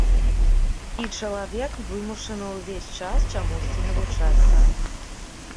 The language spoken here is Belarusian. І чалавек вымушаны ўвесь час чамусьці навучацца.